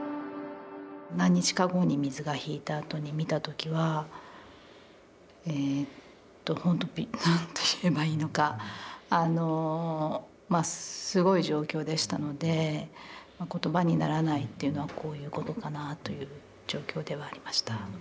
何日か後に水が引いたあとに見た時はほんとに何と言えばいいのかあのすごい状況でしたので言葉にならないというのはこういうことかなという状況ではありました。